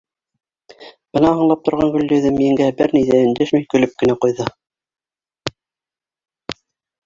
Быны аңлап торған Гөлйөҙөм еңгә бер ни ҙә өндәшмәй көлөп кенә ҡуйҙы.